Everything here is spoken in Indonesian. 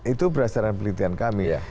itu berdasarkan pelitian kami ya